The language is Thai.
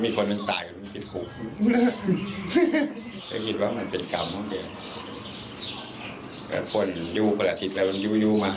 มีคนหนึ่งตายคนหนึ่งติดขู่